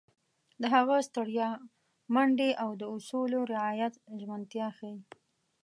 د هغه ستړیا، منډې او د اصولو رعایت ژمنتیا ښيي.